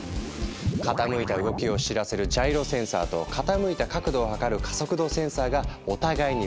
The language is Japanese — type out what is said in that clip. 傾いた動きを知らせるジャイロセンサーと傾いた角度を測る加速度センサーがお互いにフォローし合う。